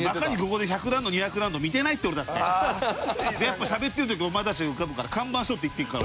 でやっぱしゃべってる時お前たちが浮かぶから看板しょって行ってるから。